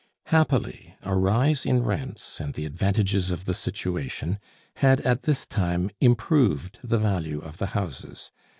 Happily, a rise in rents and the advantages of the situation had at this time improved the value of the houses.